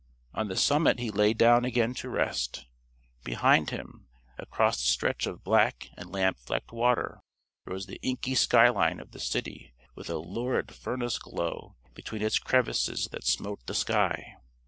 On the summit he lay down again to rest. Behind him, across the stretch of black and lamp flecked water, rose the inky skyline of the city with a lurid furnace glow between its crevices that smote the sky.